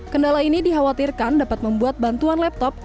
kendala ini dikhawatirkan dapat membuat bantuan laptop